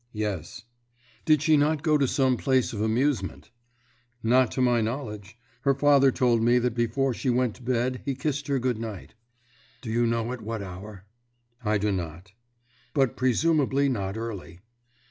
"Yes." "Did she not go to some place of amusement?" "Not to my knowledge. Her father told me that before she went to bed he kissed her good night." "Do you know at what hour?" "I do not." "But presumably not early."